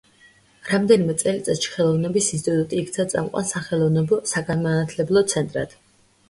რამდენიმე წელიწადში ხელოვნების ინსტიტუტი იქცა წამყვან სახელოვნებო საგანმანათლებლო ცენტრად.